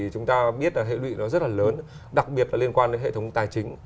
chúng ta biết hệ lụy nó rất là lớn đặc biệt là liên quan đến hệ thống tài chính